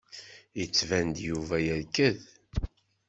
Yettban-d Yuba yerked.